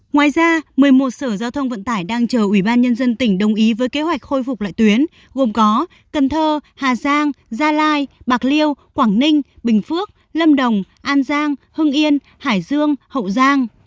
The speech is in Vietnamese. ngoài ra một mươi một sở giao thông vận tải đang chờ ủy ban nhân dân tỉnh đồng ý với kế hoạch khôi phục lại tuyến gồm có cần thơ hà giang gia lai bạc liêu quảng ninh bình phước lâm đồng an giang hưng yên hải dương hậu giang